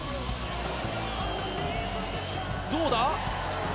どうだ。